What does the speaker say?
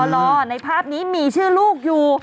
รอในภาพนี้มีชื่อลูกอยู่